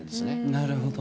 なるほど。